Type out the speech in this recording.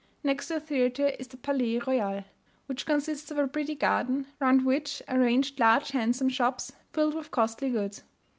Next to the theatre is the Palais Royal, which consists of a pretty garden, round which are ranged large handsome shops, filled with costly goods.